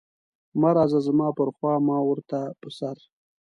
مه راځه زما پر خوا ما ورته په سر.